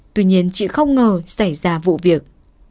tuy nhiên chị không ngờ xảy ra vụ việc